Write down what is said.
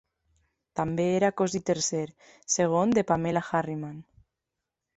També era cosí tercer, segon de Pamela Harriman.